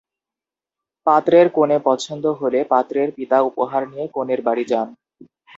পাত্রের কনে পছন্দ হলে পাত্রের পিতা উপহার নিয়ে কনের বাড়ি যান।